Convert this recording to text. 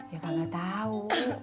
ya kak gatau